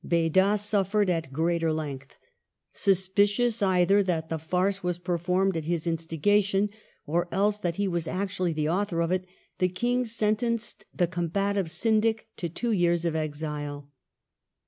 Beda suffered at greater length. Suspi cious, either that the farce was performed at his instigation, or else that he was actually the author of it, the King sentenced the combative syndic to two years of exile.